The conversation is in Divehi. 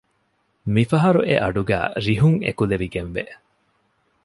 މިފަހަރު އެއަޑުގައި ރިހުން އެކުލެވިގެންވެ